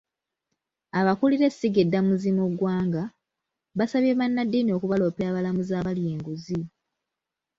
Abakulira essiga eddamuzi mu ggwanga, basabye bannaddiini okubaloopera abalamuzi abalya enguzi.